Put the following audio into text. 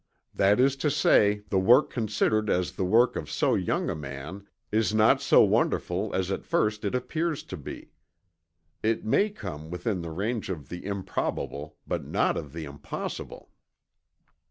That is to say the work considered as the work of so young a man is not so wonderful as at first it appears to be. It may come within the range of the improbable but not of the impossible.